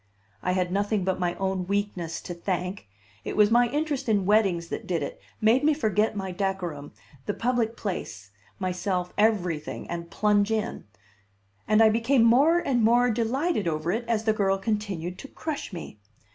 I had nothing but my own weakness to thank; it was my interest in weddings that did it, made me forget my decorum, the public place, myself, everything, and plunge in. And I became more and more delighted over it as the girl continued to crush me.